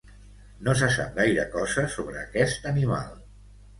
No se sap gaire cosa sobre aquest animal.